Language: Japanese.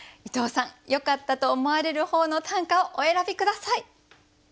伊藤さんよかったと思われる方の短歌をお選び下さい。